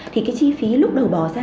thì cái chi phí lúc đầu bỏ ra